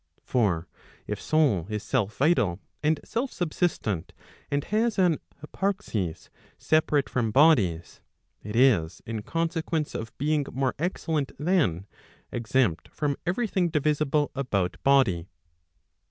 For if soul is self vital and self subsistent, and has an hyparxis separate from bodies, it is, in consequence of being more excellent than, exempt from every thing divisible about body.